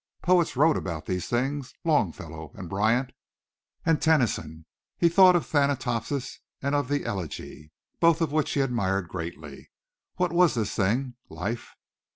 Poets wrote about these things, Longfellow, and Bryant, and Tennyson. He thought of "Thanatopsis," and of the "Elegy," both of which he admired greatly. What was this thing, life?